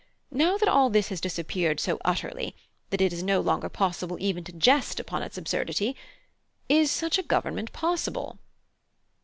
now that all this has disappeared so utterly that it is no longer possible even to jest upon its absurdity, is such a Government possible?